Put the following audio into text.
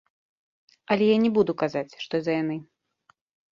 Але я не буду казаць, што за яны.